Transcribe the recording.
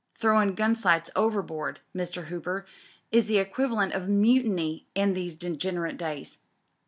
Throwin' gun sights over board, Mr, Hooper, is the equivalent for mutiny in these degenerate days.